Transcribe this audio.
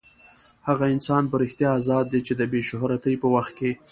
هغه انسان په رښتیا ازاد دی چې د بې شهرتۍ په وخت کې.